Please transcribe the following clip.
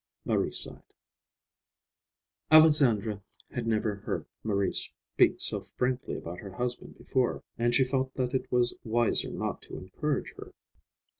Marie sighed. Alexandra had never heard Marie speak so frankly about her husband before, and she felt that it was wiser not to encourage her.